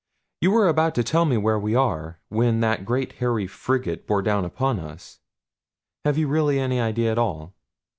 You were about to tell me where we are when that great hairy frigate bore down upon us have you really any idea at all?"